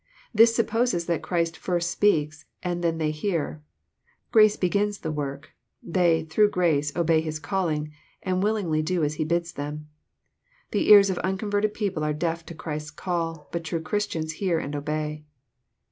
This supposes that Christ first speaks, and then they hear. Grace begins the work : they, through grace, obey His calling, and willingly do as He bids them. The ears of unconverted people are deaf to Christ's call, but true Christians hear and obey.